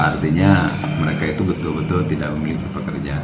artinya mereka itu betul betul tidak memiliki pekerjaan